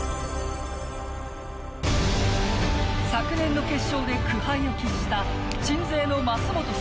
昨年の決勝で苦杯を喫した鎮西の舛本颯